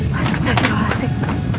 masih terlalu asik